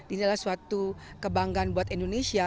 ini adalah suatu kebanggaan buat indonesia